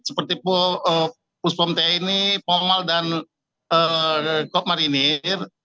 seperti puspom tni pomal dan kop marinir